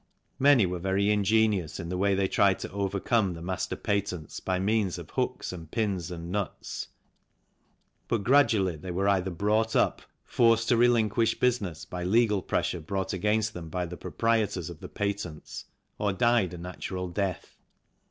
Many were very ingenious in the way they tried to overcome the master patents by means of hooks and pins and nuts, but gradually they were either bought up, forced to relinquish business by legal pressure brought against them by the proprietors of the patents, or died a natural death.